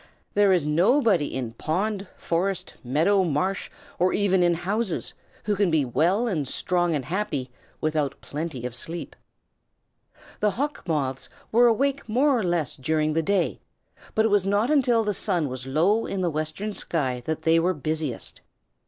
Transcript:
There is nobody in pond, forest, meadow, marsh, or even in houses, who can be well and strong and happy without plenty of sleep. The Hawk Moths were awake more or less during the day, but it was not until the sun was low in the western sky that they were busiest.